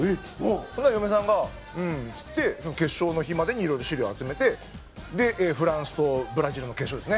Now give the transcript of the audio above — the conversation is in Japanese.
そしたら嫁さんが「うん」っつって決勝の日までにいろいろ資料を集めてでフランスとブラジルの決勝ですね。